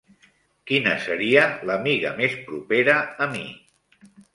Quina seria l'amiga més propera a mi?